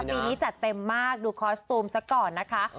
ปีนี้จัดเต็มมากดูคอสตูมซะก่อนนะคะ